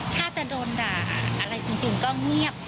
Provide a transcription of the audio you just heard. ถ้าจะโดนด่าอะไรจริงก็เงียบ